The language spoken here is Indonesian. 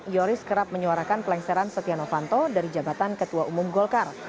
yoris kerap menyuarakan pelengseran setia novanto dari jabatan ketua umum golkar